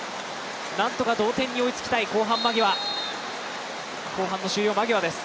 なんとか同点に追いつきたい、後半の終了間際です。